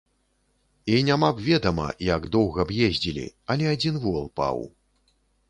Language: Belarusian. І няма б ведама, як доўга б ездзілі, але адзін вол паў.